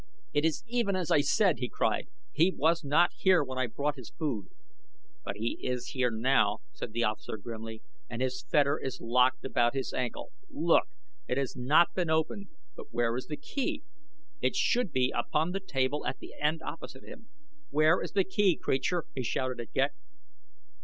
"It is even as I said," he cried. "He was not here when I brought his food." "But he is here now," said the officer grimly, "and his fetter is locked about his ankle. Look! it has not been opened but where is the key? It should be upon the table at the end opposite him. Where is the key, creature?" he shouted at Ghek.